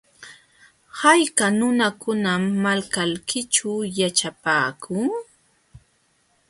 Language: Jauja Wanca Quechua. ¿Hayka nunakunam malkaykićhu yaćhapaakun?